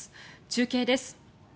中継です。